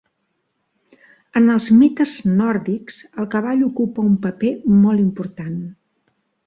En els mites nòrdics el cavall ocupa un paper molt important.